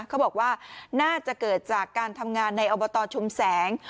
เขาบอกว่าน่าจะเกิดจากการทำงานในอบตชุมแสง